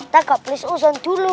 takak please usan dulu